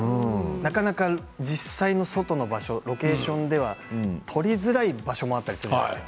なかなか実際の外の場所ロケーションでは撮りづらい場所もあったりするんですよね